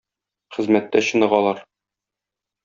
Хезмәттә чыныгалар.